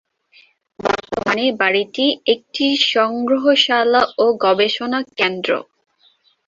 বর্তমানে বাড়িটি একটি সংগ্রহশালা ও গবেষণা কেন্দ্র।